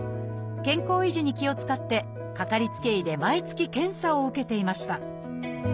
健康維持に気を遣ってかかりつけ医で毎月検査を受けていました